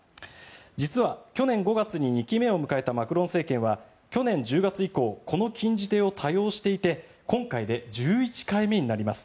実は去年５月に２期目を迎えたマクロン政権は去年１０月以降この禁じ手を多用していて今回で１１回目になります。